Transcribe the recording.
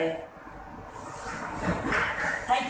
ให้คิดบวชก็ได้บวช